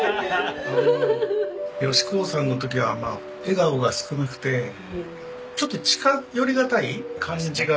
「嘉幸」さんの時はまあ笑顔が少なくてちょっと近寄りがたい感じがあったんですよ。